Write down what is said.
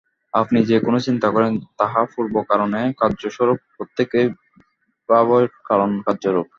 আপনি যে-কোন চিন্তা করেন, তাহা পূর্ব কারণের কার্যস্বরূপ, প্রত্যেক ভাবই কারণের কার্য-রূপ।